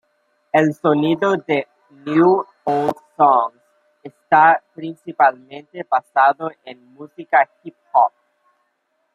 El sonido de "New Old Songs" está principalmente basado en música hip hop.